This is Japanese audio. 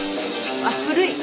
あっ古い。